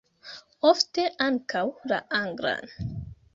Ofte ankaŭ la anglan.